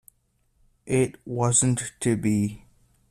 It wasn't to be.